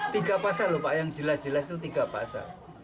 tiga pasal lho pak yang jelas jelas itu tiga pasal